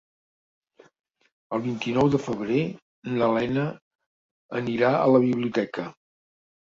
El vint-i-nou de febrer na Lena anirà a la biblioteca.